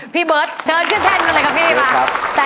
พี่เบิร์ตเชิญขึ้นแท่นมาเลยค่ะพี่มา